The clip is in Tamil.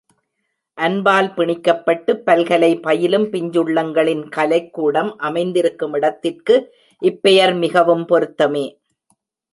அன்பால் பிணிக்கப்பட்டுப் பல்கலை பயிலும் பிஞ்சுள்ளங்களின் கலைக் கூடம் அமைந்திருக்குமிடத்திற்கு இப்பெயர் மிகவும் பொருத்தமே.